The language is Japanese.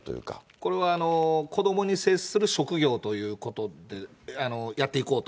これは子どもに接する職業ということでやっていこうと。